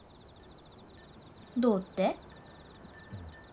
どうって？